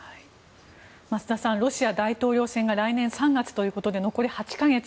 増田さんロシア大統領選が来年３月ということで残り８か月。